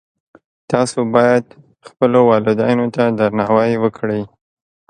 تاسو باید خپلو والدینو ته درناوی وکړئ